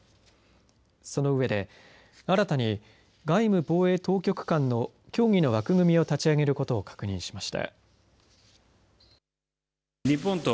その上で、新たに外務・防衛当局間の協議の枠組みを立ち上げることを確認しました。